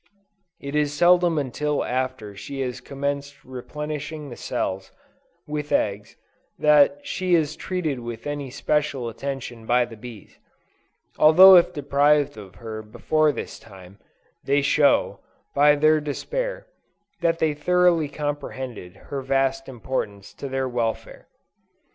It is seldom until after she has commenced replenishing the cells with eggs, that she is treated with any special attention by the bees; although if deprived of her before this time, they show, by their despair, that they thoroughly comprehended her vast importance to their welfare.